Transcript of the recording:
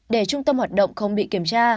để trung tâm hoạt động không bị kiểm tra